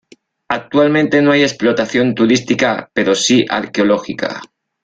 Actualmente, no hay explotación turística pero sí arqueológica.